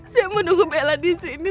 saya mau nunggu bella disini